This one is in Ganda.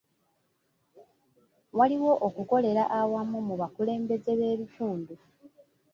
Waliwo okukolera awamu mu bakulembeze b'ekitundu.